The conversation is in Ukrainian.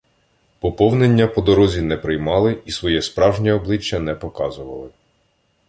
Поповнення по дорозі не приймали і своє справжнє обличчя не показували.